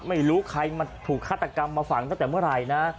ไม่รู้ใครมาถูกฆาตกรรมมาฝังตั้งแต่เมื่อไหร่นะ